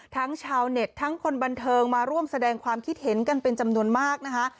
ชาวเน็ตทั้งคนบันเทิงมาร่วมแสดงความคิดเห็นกันเป็นจำนวนมากนะคะ